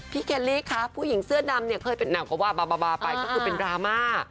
พี่เคลลี่ครับผู้หญิงเสื้อดำเขาเป็นรักไปคือเป็นราม่า